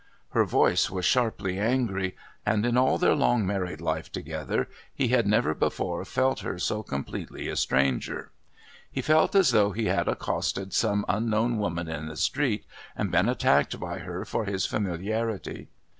Her voice was sharply angry, and in all their long married life together he had never before felt her so completely a stranger; he felt as though he had accosted some unknown woman in the street and been attacked by her for his familiarity.